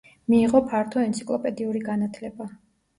მიიღო ფართო ენციკლოპედიური განათლება.